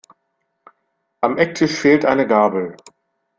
Am Ecktisch fehlt eine Gabel.